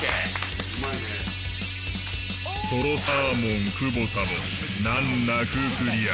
とろサーモン久保田も難なくクリア。